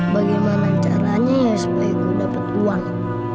bagaimana caranya ya supaya gue dapat uang